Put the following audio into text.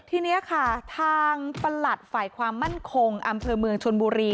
ทีนี้ค่ะทางประหลัดฝ่ายความมั่นคงอำเภอเมืองชนบุรี